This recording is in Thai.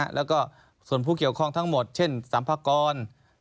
แล้วก็ส่วนผู้เกี่ยวข้องทั้งหมดเช่นสัมภากร